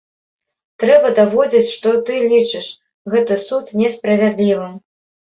Трэба даводзіць, што ты лічыш гэты суд несправядлівым.